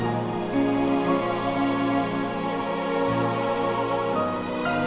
aku mau makan